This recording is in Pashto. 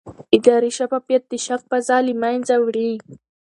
اداري شفافیت د شک فضا له منځه وړي